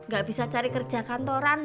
gak bisa cari kerja kantoran